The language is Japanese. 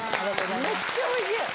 めっちゃおいしい！